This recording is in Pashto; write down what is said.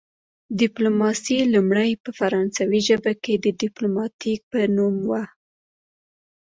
ډیپلوماسي لومړی په فرانسوي ژبه کې د ډیپلوماتیک په نوم وه